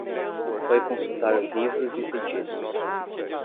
Foi consultar o livro de feitiços